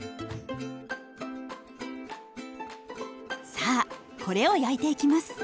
さあこれを焼いていきます。